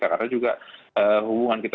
karena juga hubungan kita